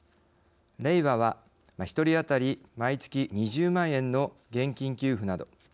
れいわは一人当たり毎月２０万円の現金給付など。